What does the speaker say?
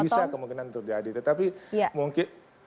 bisa kemungkinan terjadi tetapi mungkin